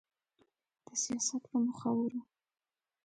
د سياست په مخورو